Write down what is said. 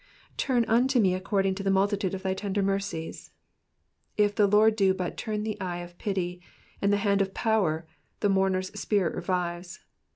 ''Turn unto me according to the multitude of thy tender mercies. If the Lord do but turn the eye of pity, and the hand of power, the moumer^s spirit revives.